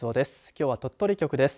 きょうは鳥取局です。